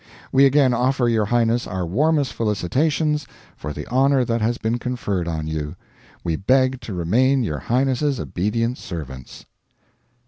We again offer your Highness our warmest felicitations for the honour that has been conferred on you. We beg to remain your Highness's obedient servants."